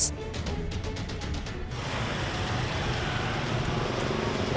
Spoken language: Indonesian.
tidak ada masalah